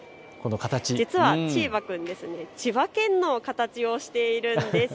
実はチーバくん、千葉県の形をしているんです。